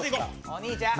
お兄ちゃん。